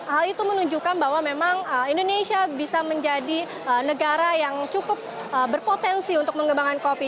hal itu menunjukkan bahwa memang indonesia bisa menjadi negara yang cukup berpotensi untuk mengembangkan kopi